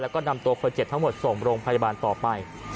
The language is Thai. แล้วก็นำตัวคนเจ็บทั้งหมดส่งโรงพยาบาลต่อไป